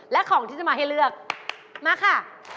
และของที่จะมาให้เลือกมาค่ะ